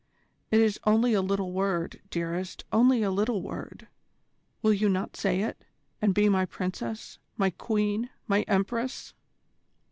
It is only a little word, dearest, only a little word will you not say it, and be my Princess, my Queen, my Empress?"